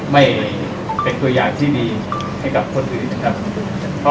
ไม่เป็นตัวอย่างที่ดีให้กับคนอื่นนะครับ